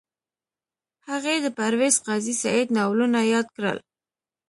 هغې د پرویز قاضي سعید ناولونه یاد کړل